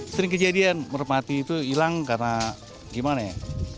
sering kejadian merpati itu hilang karena gimana ya